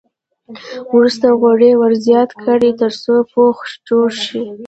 وروسته غوړي ور زیات کړئ تر څو پوښ جوړ شي.